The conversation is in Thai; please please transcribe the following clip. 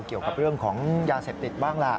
เกี่ยวกับเรื่องของยาเสพติดบ้างแหละ